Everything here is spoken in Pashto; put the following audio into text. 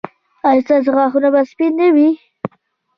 ایا ستاسو غاښونه به سپین نه وي؟